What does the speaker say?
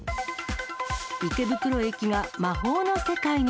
池袋駅が魔法の世界に。